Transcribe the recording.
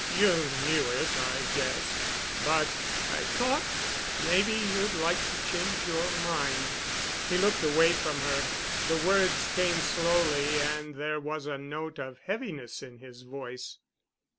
You knew it, I guess, but I thought maybe you'd like to change your mind." He looked away from her. The words came slowly, and there was a note of heaviness in his voice.